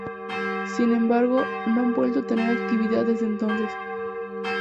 Sin embargo, no han vuelto a tener actividad desde entonces.